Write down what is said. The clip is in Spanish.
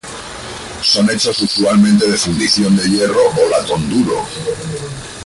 Son hechos usualmente de fundición de hierro o latón duro.